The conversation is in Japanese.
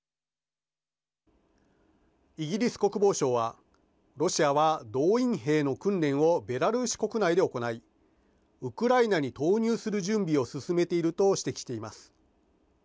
イギリス国防省はロシアは動員兵の訓練をベラルーシ国内で行いウクライナに投入する準備を進めていると指摘しています。